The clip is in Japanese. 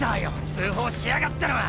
通報しやがったのは！